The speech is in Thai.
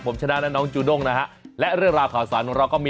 ผมชนะและน้องจูด้งนะฮะและเรื่องราวข่าวสารของเราก็มี